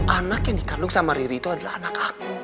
anak yang dikandung sama riri itu adalah anak aku